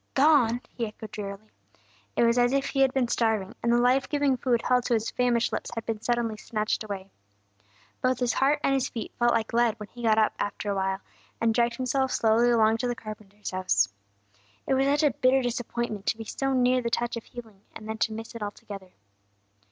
"Gone!" he echoed drearily. It was as if he had been starving, and the life giving food held to his famished lips had been suddenly snatched away. Both his heart and his feet felt like lead when he got up after awhile, and dragged himself slowly along to the carpenter's house. [Illustration: "'I PEEPED OUT 'TWEEN 'E WOSE VINES'"] It was such a bitter disappointment to be so near the touch of healing, and then to miss it altogether.